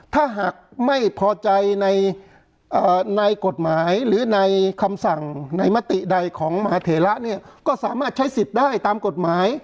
ถ้าหากไม่พอใจในกฎหมายหรือในคำสั่งในมติใดของมหาเถระเนี่ยก็สามารถใช้สิทธิ์ได้ตามกฎหมาย